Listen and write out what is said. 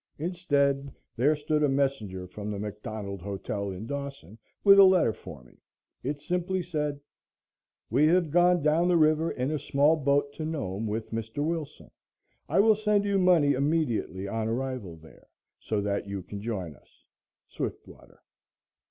Instead there stood a messenger from the McDonald Hotel in Dawson with a letter for me. It simply said: "We have gone down the river in a small boat to Nome with Mr. Wilson. I will send you money immediately on arrival there, so that you can join us. SWIFTWATER."